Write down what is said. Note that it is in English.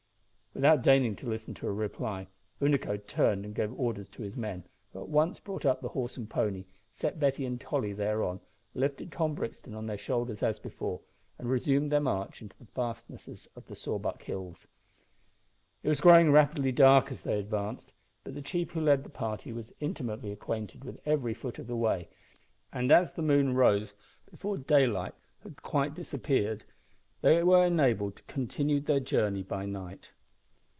Without deigning to listen to a reply, Unaco turned and gave orders to his men, who at once brought up the horse and pony, set Betty and Tolly thereon, lifted Tom Brixton on their shoulders as before, and resumed their march deeper into the fastnesses of the Sawback Hills. It was growing rapidly dark as they advanced, but the chief who led the party was intimately acquainted with every foot of the way, and as the moon rose before daylight had quite disappeared, they were enabled to continue their journey by night.